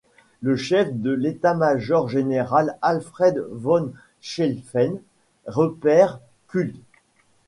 Le chef de l'État-Major général, Alfred von Schlieffen, repère Kuhl.